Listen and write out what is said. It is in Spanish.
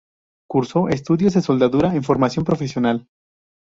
Cursó estudios de soldadura en Formación Profesional.